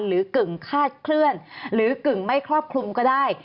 กึ่งคาดเคลื่อนหรือกึ่งไม่ครอบคลุมก็ได้